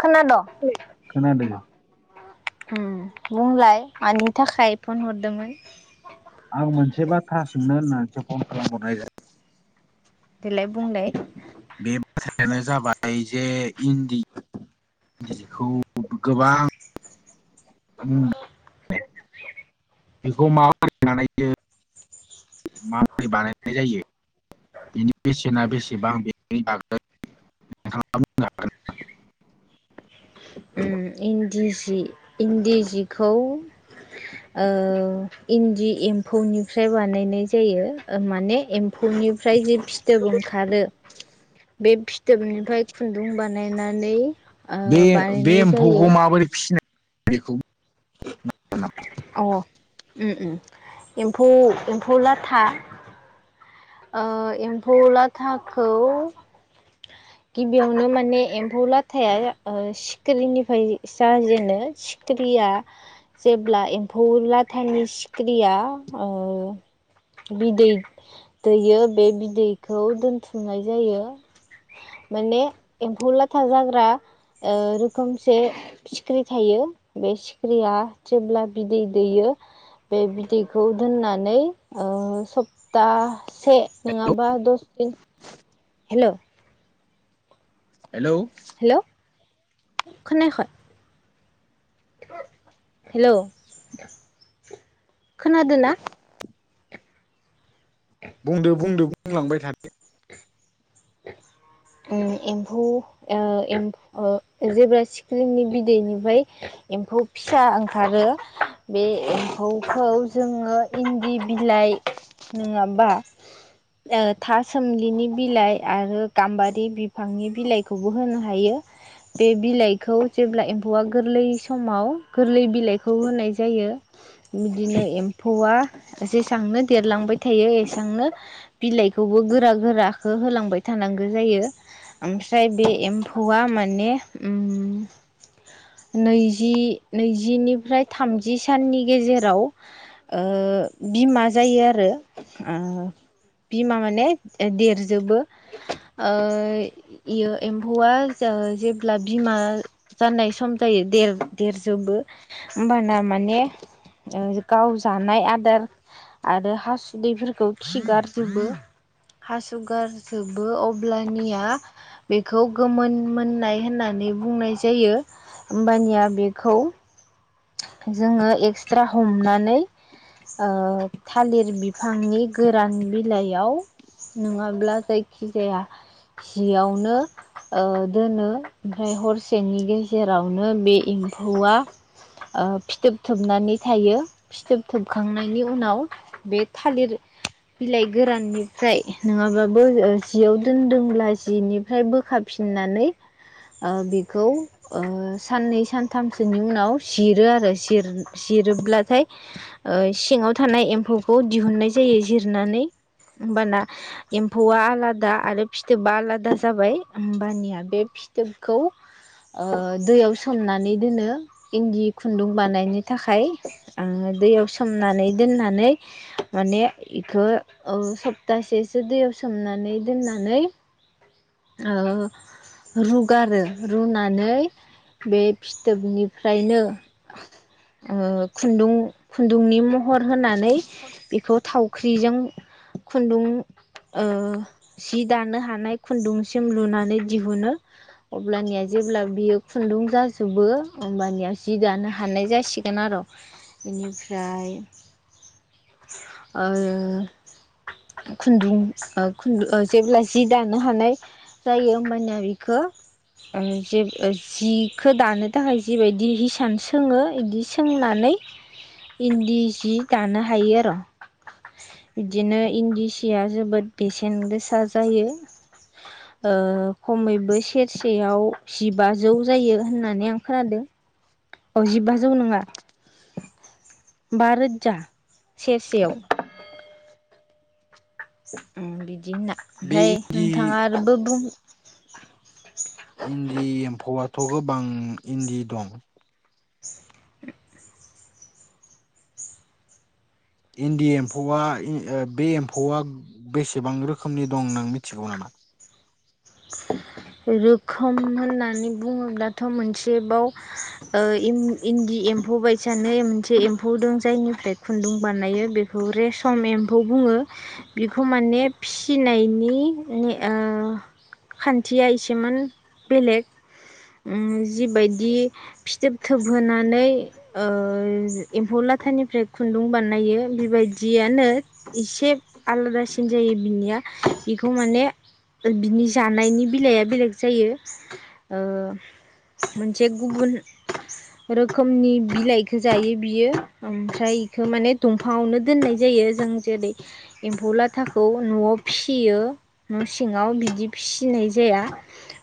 खोना द खोनादों बुंलाय मानि थाखाय फन हरदोंमोन? आं मोनसे बाथ्रा सोंनो होननानैसो फन खालामहरनाय जादों। देलाय बुंलाय बे बाथ्रायानो जाबाय जे इन्दि जिखौ गोबां मुं बेखौ माबोरै बानायो माबोरै बानायनाय जायो बेनि बेसेना बेसेबां बेनि बागै नोंथाङा बुंनो हागोन ना? उम इन्दि सि इन्दि सिखौ ओ इन्दि एम्फौनिफ्राय बानायनाय जायो। माने एम्फौनिफ्राय जि फिथोब ओंखारो बे फि फिथोबनिफ्राय खुन्दुं बानायनानै बे बे बानायनाय एम्फौखौ जायो। [unintelligible] बेखौ [inaudible] अ ओम ओम एम्फौ एम्फौ लाथा ओ एम्फौ लाथाखौ गिबियावनो माने एम्फौ लाथाया सिखिरिनिफ्राय जाजेनो सिखिरिया जेब्ला एम्फौ लाथायनि सिखिरिया ओ बिदै दैयो बे बिदैखौ दोनथुमनाय जायो। माने एम्फौ लाथा जाग्रा ओ रोखोमसे सिख्रि थायो बे सिखिरिया जेब्ला बिदै दैयो बे बिदैखौ दोननानै ओ सप्ता से हेलौ नङाबा दस दिन हेलौ हेलौ हेलौ खानायाखै? हेलौ खोनादोंना? बुंदो बुंदो बुंलांबाय थादो ओ एम्फौ ओ एमफ ओ जेब्ला सिख्रिनि बिदैनिफ्राय एम्फौ फिसा ओंखारो बे एम्फौखौ जोङो इन्दि बिलाइ नङाबा ओ था सोमलिनि बिलाइ आरो गाम्बारि बिफांनि बिलाइखौबो होनो हायो बे बिलाइखौ जेब्ला एम्फौआ गोरलै समाव गोरलै बिलाइखौ होनाय जायो बिदिनो एम्फौआ जेसांनो देरलांबाय थायो एसांनो बिलाइखौबो गोरा गोराखो होलांबाय थानांगौ जायो ओमफ्राय बे एम्फौआ माने ओम नैजि नैजिनिफ्राय थामजि साननि गेजेराव ओ बिमा जायो आरो ओ बिमा माने देरजोबो। ओ इयो एम्फौआ ओ जेब्ला बिमा जानाय सम जायो देर देरजोबो होनबाना माने ओ गाव जानाय आदार आरो हासुदैफोरखौ खिगारजुबो हासुगार जोबो अब्लानिया बेखौ गोमोन मोननाय होननानै बुंनाय जायो होमबानिया बेखौ जोङो एक्सट्रा हमनानै ओ थालिर बिफांनि गोरान बिलाइयाव नङाब्ला जायखिजाया जियावनो ओ दोनो ओमफ्राय हरसेनि गेजेरावनो बे एम्फौआ ओ फिथोब थोबनानै थायो फिथोब थोबखांनायनि उनाव बे थालिर बिलाइ गोराननिफ्राय नङाबाबो ओ जियाव दोनदोंब्ला जिनिफ्राय बोखाफिननानै ओ बेखौ ओ साननै सानथामसोनि उनाव जिरो आरो जिर जिरोब्लाथाय ओ सिङाव थानाय एम्फौखौ दिहुननाय जायो जिरनानै होमबाना एम्फौआ आलादा आरो फिथोबा आलादा जाबाय होमबानिया बे फिथोबखौ दैयाव ओ सोमनानै दोनो इन्दि खुन्दुं बानायनो थाखाय ओ दैयाव सोमनानै दोननानै माने बेखौ ओ सप्तासेसो दैयाव सोमनानै दोननानै ओ रुगारो रुनानै बे फिथोबनिफ्रायनो ओ खुन्दुं खुन्दुंनि महर होनानै बेखौ थावख्रि जों खुन्दुं ओ सि दानो हानाय खुन्दुंसिम लुनानै दिहुनो अब्लानिया जेब्ला बियो खुन्दुं जाजोबो होमबानिया जि दानो हानाय जासिगोन आरो बेनिफ्राय ओ खुन्दुं ओ खुन्दु जेब्ला जि दानो दानो हानाय जायो होमबानिया बिखौ ओ जिब जिखौ दानो थाखाय जिबायदि हिसान सोङो इदि सोंनानै इन्दि सि दानो हायो आर' बिदिनो इन्दि सिया जोबोद बेसेन गोसा जायो ओ खमैबो सेरसेयाव जिबाजौ जायो होननानै आं खोनादों औ जिबाजौ नङा बा रोजा सेरसेयाव [inaudible] बिदि होनना बे ओमफ्राय इन्दि नोंथाङा आरोबो बुं थ' गोबां इन्दि दं इन्दि एम्फौआ बे एम्फौआ बेसेबां रोखोमनि दं नों मिथिगौ नामा? रोखोम होननानै बुङोब्लाथ' मोनसेबाव इन्दि एम्फौ बायसानो मोनसे एम्फौ दं जायनिफ्राय खुन्दुं बानायो बेखौ रेसम एम्फौ बुङो बेखौ माने फिसिनायनि खान्थिया एसेमान बेलेग जिबायदि फिथोब थोबहोनानै एम्फौ लाथानिफ्राय खुन्दुं बानायो बिबायदियानो एसे आलादासिन जायो बिनिया बेखौ माने बिनि जानायनि बिलाइया बेलेग जायो मोनसे गुबुन रोखोमनि बिलाइखो जायो बियो ओमफ्राय इखौ माने दंफाङावनो दोननाय जायो जों जेरै एम्फौ लाथाखौ न'आव फिसियो न' सिङाव बिदि फिसिनाय जाया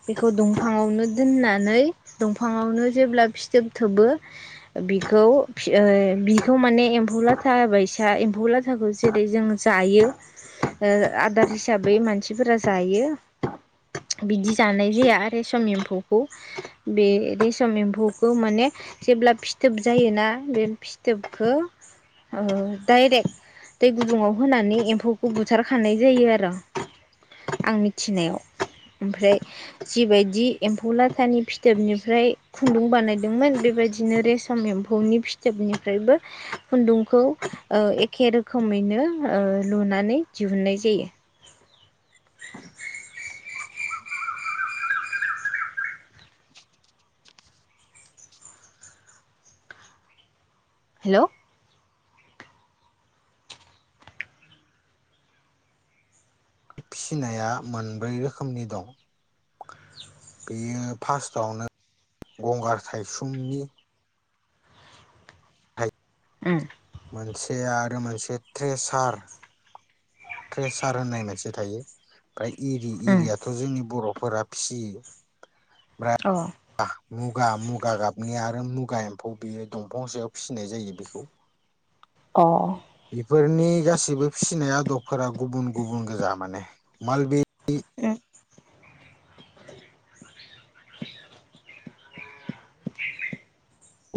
बेखौ दंफाङावनो दोननानै दंफाङावनो जेब्ला फिथोब थोबो बिखौ ओ बिखौ माने एम्फौ लाथा बायसा एम्फौ लाथाखौ जेरै जों जायो आदार हिसाबै मानसिफोरा जायो। बिदि जानाय जाया रेसम एम्फौखौ बे रेसम एम्फौखौ माने जेब्ला फिथोब जायोना बे फिथोबखौ ओ डायरेक्ट दै गुदुङाव होनानै एम्फौखौ बुथारखानाय जायो आर'। आंनि मिथिनायाव ओमफ्राय जिबायदि एम्फौ लाथानि फिथोबनिफ्राय खुन्दुं बानायदोंमोन बेबायदिनो रेसम एम्फौनि फिथोबनिफ्रायबो खुन्दुंखौ ओ एखे रोखोमैनो ओ लुनानै दिहुनन्नाय जायो। हेलौ फिसिनाया मोनब्रै रोखोमनि दं। बेयो फार्स्टआवनो गंगार थायसुंनि उम। मोनसे आरो मोनसे ट्रेसार ट्रेसार होननाय मोनसे थायो। ओमफ्राय एरि उम एरियाथ' जोंनि बर' फोरा फिसियो। अ [unintelligible] मुगा मुगा गाबनि आरो मुगा एम्फौ बेयो दंफां सायाव फिसिनाय जायो बेखौ। अ। बेफोरनि गासैबो फिसिनाय आदबफोरा गुबुन गुबुन गोजा माने मालबि [unintelligible]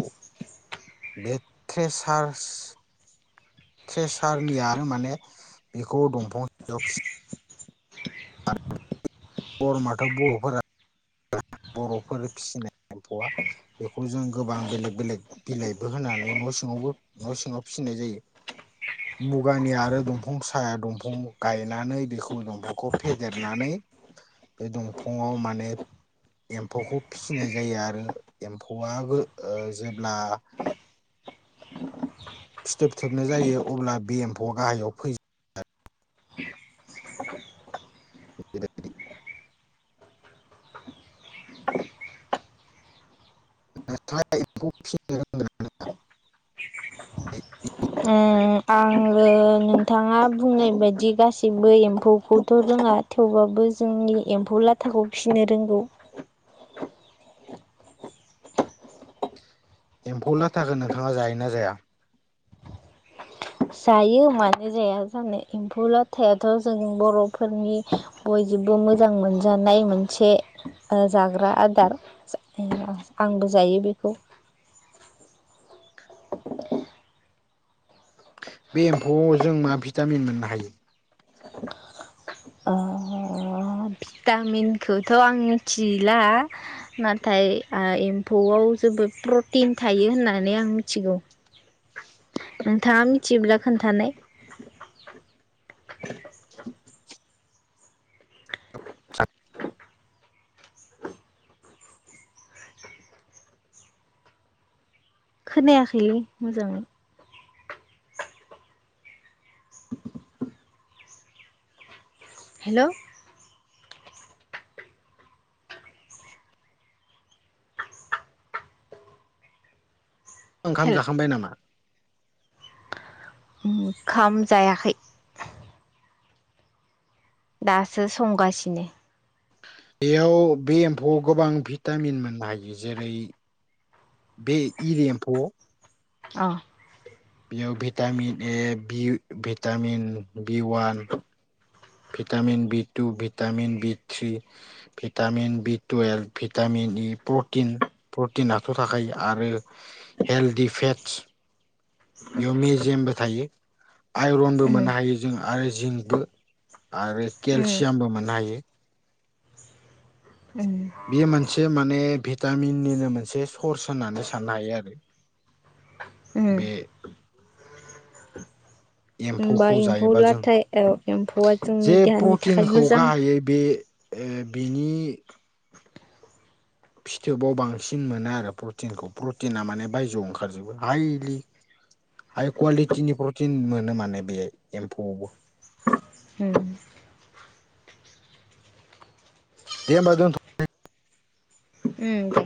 खौ बे ट्रेस्रारस ट्रेसारनिया माने बेखौ दंफां सायाव फि आरो [unintelligible] बर'माथाव बर'फोरा बर'फोर फिसिनाय एम्फौआ बेखौ जों गोबां बेलेग बेलेग बिलाइबो होनानै न' सिङावबो न' सिङाव फिसिनाय जायो मुगानि आरो दंफां साया दंफां गायनानै बेखौ दंफांखौ फेदेरनानै बे दंफाङाव माने एम्फौखौ फिसिनाय जायो आरो एम्फौआबो ओ जेब्ला फिथोब थोबनो जायो अब्ला बे एम्फौआ गाहायाव फै [unintelligible] [unintelligible] ओं नोंथाङा बुंनाय बायदि गासैबो एम्फौखौथ' रोङा थेवबो जोंनि एम्फौ लाथाखौ फिसिनो रोंगौ। एम्फौलाथाखो नोंथाङा जायोना जाया? जायो मानो जाया जानो एम्फौ लाथायाथ' जों बर'फोरनि बयजोंबो मोजां मोनजानाय मोनसे ओ जाग्रा आदार आंबो जायो बेखौ। बे एम्फौआव जों मा भिटामिन मोननो हायो? ओ भिटामिनखौथ' आं मिथिला नाथाय एम्फौआव जोबोद प्रटिन थायो होननानै आं मिथिगौ। नोंथांआ थिब्ला खोन्थानाय। खोनायाखै मोजांयै। [unintelligible] हेलौ। [unintelligible] ओंखाम हेल' जाखांबाय नामा? ओंखाम जायाखै। दासो संगासिनो। बेयाव बे एम्फौआव गोबां भिटामिन मोननो हायो जेरै बे इरि एम्फौआव अ। बेयाव vitamin A B vitamin B one vitamin B two vitamin B three vitamin B two A vitamin E protein protein आथ' थाखायो आरो हेल्दि फेटस बेयाव मेजेमबो थायो। आइरनबो उम मोननो हायो जों आय [unintelligible] आरो उम केलसियामबो मोननो हायो। उम बेयो मोनसे माने। गामिनिनो मोनसे सर्स होननानै साननो हायो आरो। ओं। बे होनबा एम्फौखौ एम्फौ जायोबा जों लाथा औ एम्फौआ जे जोंनि देहानि थाखाय प्रटिनखौ मोजां। गाहायै बे ओ बिनि। फिथोबाव बांसिन मोनो आरो प्रटिनखौ प्रटिना माने बायजोआव ओंखारजोबो हाइलि हाइ कुवालिटिनि प्रटिन मोनो माने बे एम्फौआवबो। उम दे होमबा दोनथनोसै। उम दे